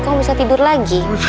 kok bisa tidur lagi